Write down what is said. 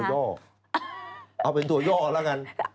ย่อเอาเป็นตัวย่อแล้วกัน